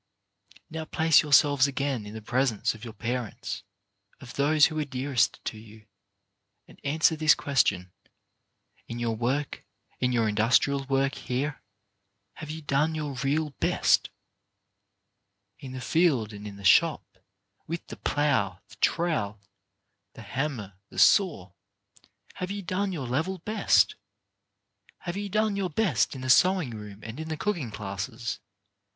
Now place yourselves again in the presence of your parents, of those who are dearest to you, and answer this question, In your work, in your in dustrial work here, have you done your real best ? In the field and in the shop, with the plough, the trowel, the hammer, the saw, have you done your level best ? Have you done your best in the sew 46 CHARACTER BUILDING ing room and in the cooking classes?